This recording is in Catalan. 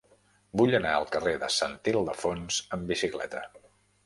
Vull anar al carrer de Sant Ildefons amb bicicleta.